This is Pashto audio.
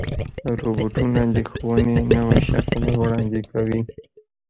روبوټونه د ښوونې نوی شکل وړاندې کوي.